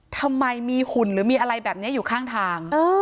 ทำไมมีหุ่นหรือมีอะไรแบบนี้อยู่ข้างทาง